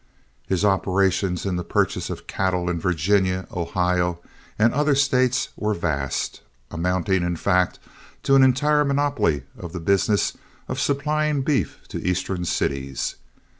His operations in the purchase of cattle in Virginia, Ohio, and other States were vast, amounting, in fact, to an entire monopoly of the business of supplying beef to Eastern cities.